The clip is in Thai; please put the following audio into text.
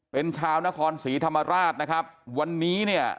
เป็นชาวนครศรีธรรมราชนะครับวันนี้เนี่ย